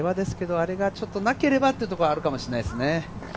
あれがなければというところはあるかもしれないですね。